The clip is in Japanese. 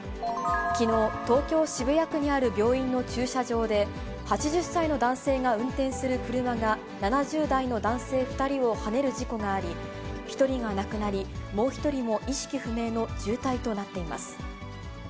きのう、東京・渋谷区にある病院の駐車場で、８０歳の男性が運転する車が７０代の男性２人をはねる事故があり、１人が亡くなり、もう１人も意識不明の重体となっています。